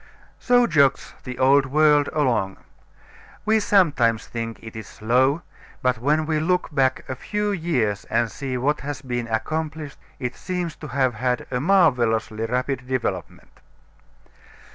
So jogs the old world along. We sometimes think it is slow, but when we look back a few years and see what has been accomplished it seems to have had a marvelously rapid development.